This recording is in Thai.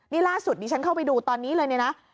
นี่ล่าสุดดิฉันเข้าไปดูตอนนี้เลยเนี่ยนะ